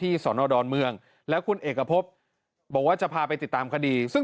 พระอาจารย์ออสบอกว่าอาการของคุณแป๋วผู้เสียหายคนนี้อาจจะเกิดจากหลายสิ่งประกอบกัน